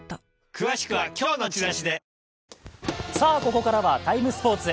ここからは「ＴＩＭＥ，スポーツ」。